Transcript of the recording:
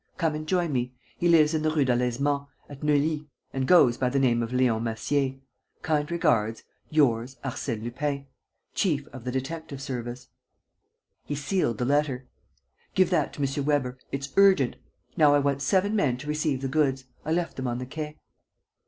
Come and join me. He lives in the Rue Delaizement, at Neuilly and goes by the name of Leon Massier. "Kind regards. "Yours, "ARSÈNE LUPIN, "Chief of the Detective service." He sealed the letter: "Give that to M. Weber. It's urgent. Now I want seven men to receive the goods. I left them on the quay."